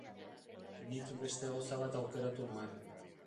Nik beste gauza bat aukeratu nuen.